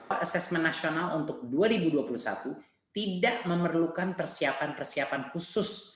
asesmen nasional untuk dua ribu dua puluh satu tidak memerlukan persiapan persiapan khusus